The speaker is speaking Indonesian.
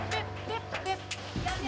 beb beb beb beb